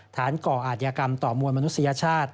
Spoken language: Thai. ก่ออาจยากรรมต่อมวลมนุษยชาติ